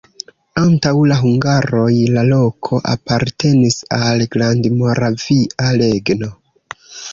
Antaŭ la hungaroj la loko apartenis al Grandmoravia Regno.